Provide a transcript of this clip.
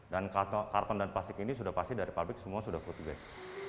dan karton dan plastik ini sudah pasti dari pabrik semua sudah food grade